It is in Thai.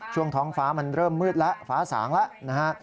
ท้องฟ้ามันเริ่มมืดแล้วฟ้าสางแล้วนะฮะ